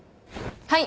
はい。